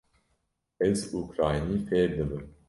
Ez ukraynî fêr dibim.